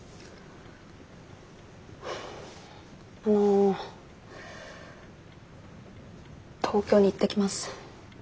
あの東京に行ってきます。